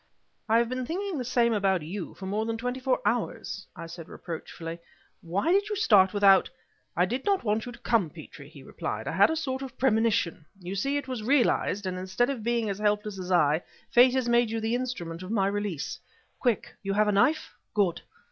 "I have been thinking the same about you for more than twenty four hours," I said, reproachfully. "Why did you start without " "I did not want you to come, Petrie," he replied. "I had a sort of premonition. You see it was realized; and instead of being as helpless as I, Fate has made you the instrument of my release. Quick! You have a knife? Good!"